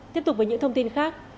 tiếp tục với những thông tin khác